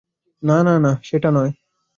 না, না, না, সেটা নয়।